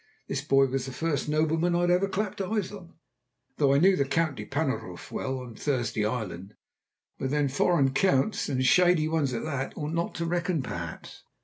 This boy was the first nobleman I had ever clapped eyes on, though I knew the Count de Panuroff well enough in Thursday Island. But then foreign Counts, and shady ones at that, ought not to reckon, perhaps.